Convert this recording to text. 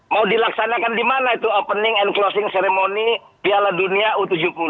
mau dilaksanakan di mana itu opening and closing ceremony piala dunia u tujuh puluh